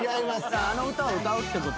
あの歌を歌うってことよね。